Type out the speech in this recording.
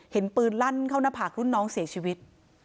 เห็นปืนลั่นเข้าหน้าผากรุ่นน้องเสียชีวิต